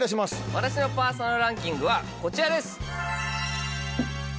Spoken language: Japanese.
私のパーソナルランキングはこちらです。